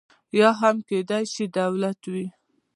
یا هم کېدای شي دولت وي.